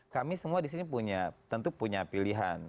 kami semua disini punya tentu punya pilihan